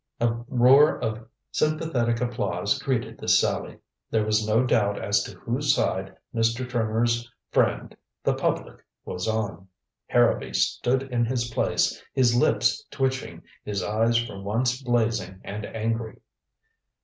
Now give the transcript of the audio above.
A roar of sympathetic applause greeted this sally. There was no doubt as to whose side Mr. Trimmer's friend, the public, was on. Harrowby stood in his place, his lips twitching, his eyes for once blazing and angry.